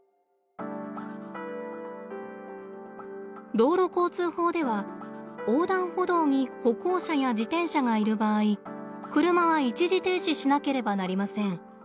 道路交通法では横断歩道に歩行者や自転車がいる場合車は一時停止しなければなりません。